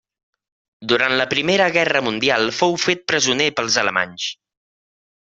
Durant la Primera Guerra Mundial fou fet presoner pels alemanys.